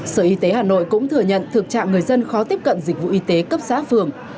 sở y tế hà nội cũng thừa nhận thực trạng người dân khó tiếp cận dịch vụ y tế cấp xã phường